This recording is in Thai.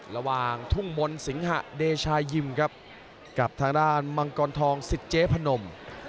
ระหว่างทุ่งมนต์สิงหะเดชายิมครับกับทางด้านมังกรทองสิทธิเจ๊พนม